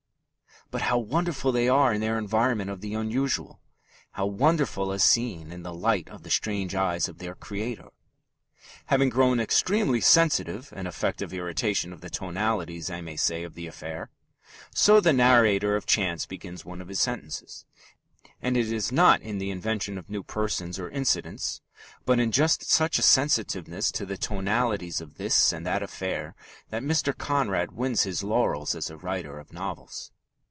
But how wonderful they are in their environment of the unusual! How wonderful as seen in the light of the strange eyes of their creator! "Having grown extremely sensitive (an effect of irritation) to the tonalities, I may say, of the affair" so the narrator of Chance begins one of his sentences; and it is not in the invention of new persons or incidents, but in just such a sensitiveness to the tonalities of this and that affair that Mr. Conrad wins his laurels as a writer of novels.